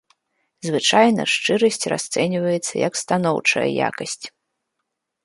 Звычайна шчырасць расцэньваецца як станоўчая якасць.